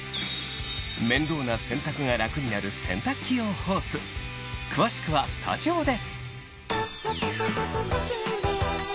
面倒な洗濯が楽になる洗濯機用ホース詳しくはスタジオで！